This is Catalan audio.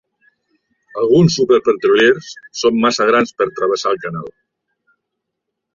Alguns superpetroliers són massa grans per travessar el canal.